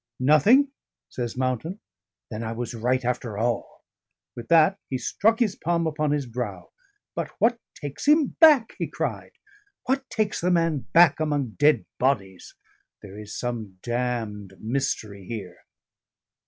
"Nothing?" says Mountain. "Then I was right after all." With that he struck his palm upon his brow. "But what takes him back?" he cried. "What takes the man back among dead bodies? There is some damned mystery here."